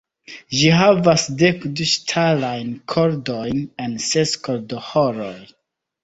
Ĝi havas dekdu ŝtalajn kordojn en ses kordoĥoroj.